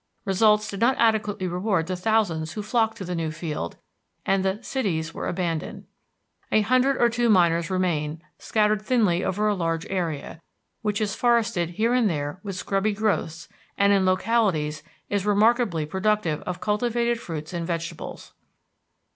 Results did not adequately reward the thousands who flocked to the new field, and the "cities" were abandoned. A hundred or two miners remain, scattered thinly over a large area, which is forested here and there with scrubby growths, and, in localities, is remarkably productive of cultivated fruits and vegetables.